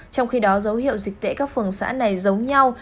trong khi đó dấu hiệu dịch tễ các phường xã này giống nhau